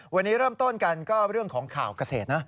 วันนี้เริ่มต้นกันก็เรื่องของข่าวเกษตรนะ